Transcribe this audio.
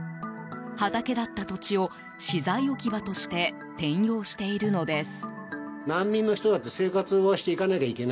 畑だった土地を資材置き場として転用しているのです。